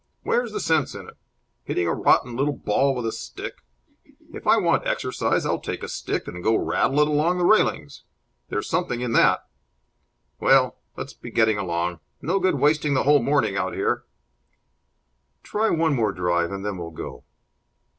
Where's the sense in it? Hitting a rotten little ball with a stick! If I want exercise, I'll take a stick and go and rattle it along the railings. There's something in that! Well, let's be getting along. No good wasting the whole morning out here." "Try one more drive, and then we'll go."